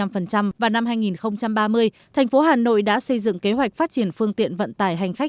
hai mươi năm vào năm hai nghìn ba mươi thành phố hà nội đã xây dựng kế hoạch phát triển phương tiện vận tải hành khách